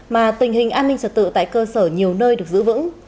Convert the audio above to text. mà tình hình an ninh trật tự tại cơ sở nhiều nơi được giữ vững